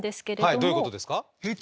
はいどういうことですか？